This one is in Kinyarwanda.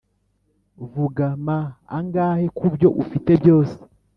"vuga, ma, angahe kubyo ufite byose?